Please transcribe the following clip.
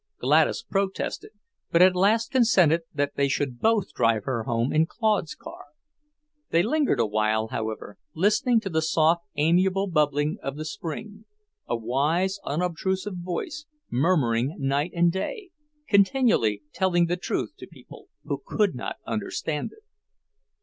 Gladys protested, but at last consented that they should both drive her home in Claude's car. They lingered awhile, however, listening to the soft, amiable bubbling of the spring; a wise, unobtrusive voice, murmuring night and day, continually telling the truth to people who could not understand it.